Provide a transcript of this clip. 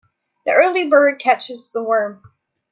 The early bird catches the worm.